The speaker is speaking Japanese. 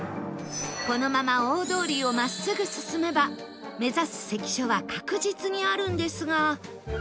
このまま大通りを真っすぐ進めば目指す関所は確実にあるんですが